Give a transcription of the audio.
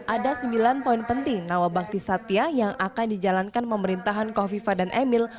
ada sembilan poin penting nawabakti satya yang akan dijalankan pemerintahan kofifa dan emil